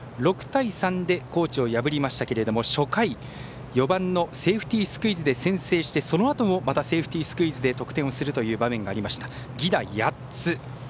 ６対３で高知を破りましたが初回４番のセーフティースクイズで先制して、そのあともセーフティースクイズで得点をするという場面がありました、犠打８つ。